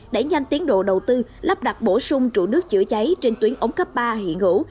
đẩy nhanh tiến độ đầu tư lắp đặt bổ sung trụ nước chữa cháy trên tuyến ống cấp ba hiện hữu